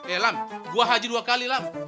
eh lam gue haji dua kali lam